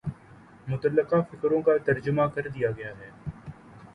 متعلقہ فقروں کا ترجمہ کر دیا گیا ہے